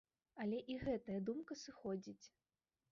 Але і гэтая думка сыходзіць.